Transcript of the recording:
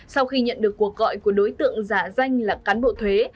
sau khi nhận được cuộc gọi của đối tượng giả danh là cán bộ thuế